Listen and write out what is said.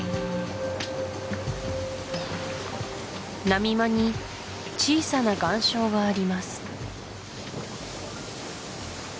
波間に小さな岩礁があります